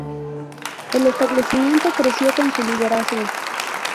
El establecimiento creció con su liderazgo.